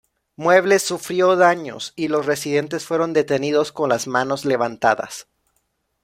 Muebles sufrió daños y los residentes fueron detenidos con las manos levantadas.